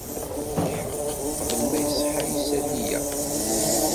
Tḥeqq qbel ma iṣeḥḥa yisalli-ya.